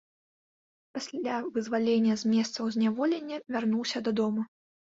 Пасля вызвалення з месцаў зняволення вярнуўся дадому.